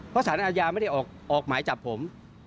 เพราะสารอาญาไม่ได้ออกหมายจับผม